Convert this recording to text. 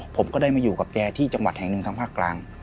ผมก็ได้มาอยู่กับแกที่จังหวัดแห่งหนึ่งทางภาคกลาง